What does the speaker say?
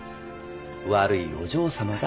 悪いお嬢さまだ。